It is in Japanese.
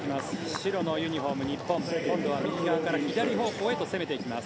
白のユニホーム日本、今度は右側から左方向へと攻めていきます。